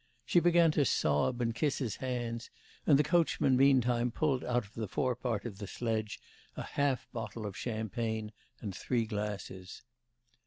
She began to sob, and kiss his hands; and the coachman meantime pulled out of the forepart of the sledge a half bottle of champagne, and three glasses.